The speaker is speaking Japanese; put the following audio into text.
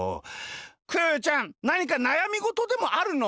クヨヨちゃんなにかなやみごとでもあるの？